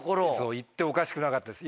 行っておかしくなかったです。